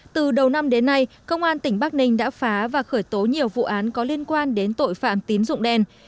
từ đầu năm đến nay công an tỉnh bắc ninh đã phá và khởi tố nhiều vụ án có liên quan đến tội phạm tín dụng đen